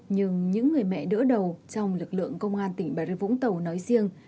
nhưng những người mẹ đỡ đầu trong lực lượng công an tỉnh bà rê vũng tàu nói riêng